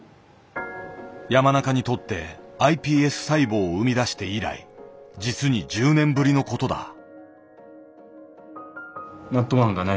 山中にとってｉＰＳ細胞を生み出して以来実に１０年ぶりの事だ。